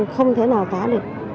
không thể nào tả được